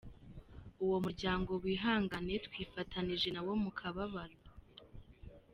uwo muryango wihangane twifatanije nawo mu kababaro.